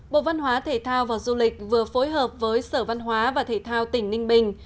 bộ văn hóa thể thao và du lịch vừa phối hợp với sở văn hóa và thể thao tỉnh ninh bình